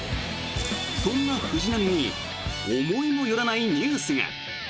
そんな藤浪に思いもよらないニュースが。